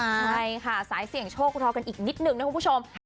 ใช่ค่ะสายเสี่ยงโชครอกันอีกนิดนึงนะคุณผู้ชม